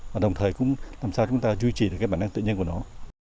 và đồng thời cũng làm sao chúng ta duy trì được cái bản năng tự nhiên của nó